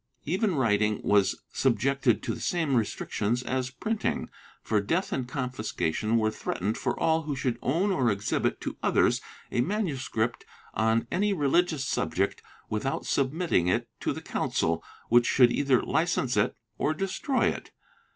Even writing was subjected to the same restrictions as printing, for death and confiscation were threatened for all who should own or exhibit to others a MS. on any religious subject without submitting it to the Council, which should either license it or destroy it.